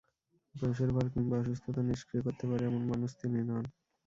বয়সের ভার কিংবা অসুস্থতা নিষ্ক্রিয় করতে পারে, এমন মানুষ তিনি নন।